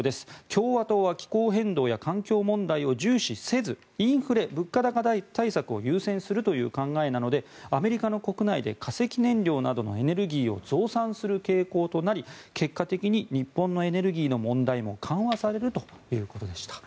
共和党は気候変動や環境問題を重視せずインフレ・物価高対策を優先するという考えなのでアメリカの国内で化石燃料などのエネルギーを増産する傾向となり結果的に日本のエネルギーの問題も緩和されるということでした。